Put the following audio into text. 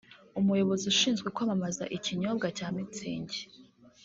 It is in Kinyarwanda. umuyobozi ushinzwe kwamamaza ikinyobwa cya Mutzig